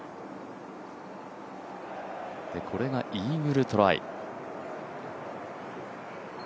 これがイーグルトライ。